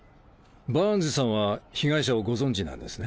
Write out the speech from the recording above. バーンズさんは被害者をご存じなんですね？